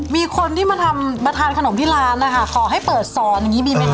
มีคนที่มาทำมาทานขนมที่ร้านนะคะขอให้เปิดสอนอย่างนี้ดีไหมค